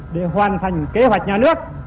để hoàn thành kế hoạch nhà nước